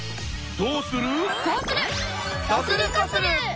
どうする？